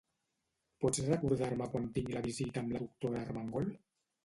Pots recordar-me quan tinc la visita amb la doctora Armengol?